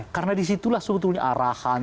karena disitulah sebetulnya arahan